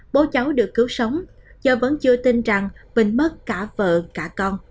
bố cháu được cứu sống giờ vẫn chưa tin rằng vinh mất cả vợ cả con